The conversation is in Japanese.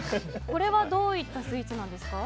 これはどういったスイーツなんですか？